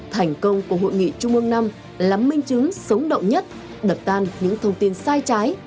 thành công của hội nghị trung ương năm là minh chứng sống động nhất đập tan những thông tin sai trái